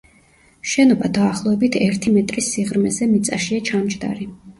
შენობა დაახლოებით ერთი მეტრის სიღრმეზე მიწაშია ჩამჯდარი.